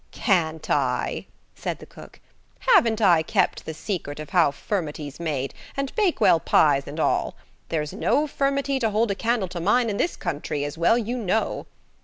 "Can't I?" said the cook. "Haven't I kept the secret of how furmety's made, and Bakewell pies and all? There's no furmety to hold a candle to mine in this country, as well you know."